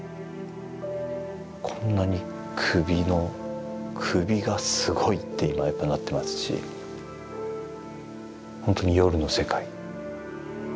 こんなに首の首がすごいって今やっぱなってますしほんとに夜の世界。